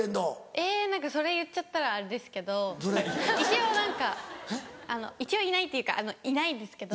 え何かそれ言っちゃったらあれですけど一応何か一応いないっていうかいないんですけど。